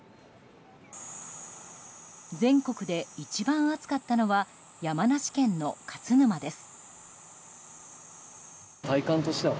全国で一番暑かったのは山梨県の勝沼です。